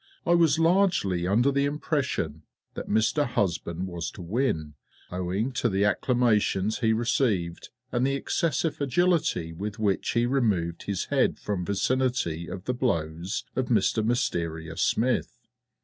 I was largely under the impression that Mister HUSBAND was to win, owing to the acclamations he received, and the excessive agility with which he removed his head from vicinity of the blows of Mister MYSTERIOUS SMITH.